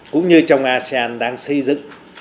cũng như trong asean đang xây dựng